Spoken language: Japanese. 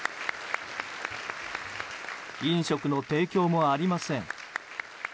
飲食の提供もありません。